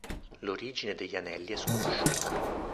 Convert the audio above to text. L'origine degli anelli è sconosciuta.